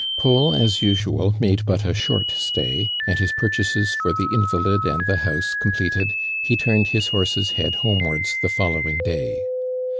Paul as usual made but a short stay, and liis purchases for the invalid and the house completed, he turned his horse's hoad homewards the following day.